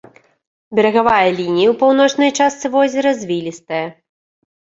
Берагавая лінія ў паўночнай частцы возера звілістая.